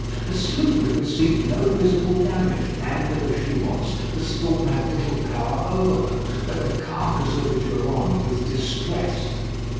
The sloop had received no visible damage; anchored as she was, the storm had little power over her, but the carcase of the Durande was distressed.